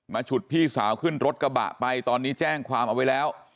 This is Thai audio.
ฉุดพี่สาวขึ้นรถกระบะไปตอนนี้แจ้งความเอาไว้แล้ว